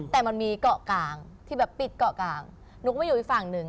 แต่มันมีเกาะกลางที่แบบปิดเกาะกลางนุ๊กก็มาอยู่อีกฝั่งหนึ่ง